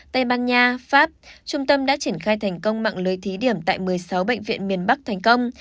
tây ban nha pháp trung tâm đã triển khai thành công mạng lưới thí điểm tại một mươi sáu bệnh viện miền bắc thành công